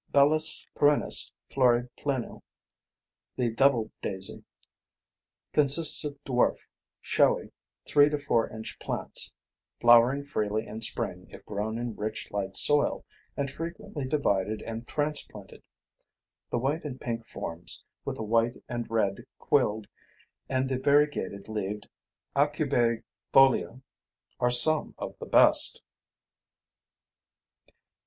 B. perennis flore pleno, the 762 double daisy, consists of dwarf, showy, 3 to 4 in. plants, flowering freely in spring if grown in rich light soil, and frequently divided and transplanted. The white and pink forms, with the white and red quilled, and the variegated leaved aucubaefolia, are some of the best.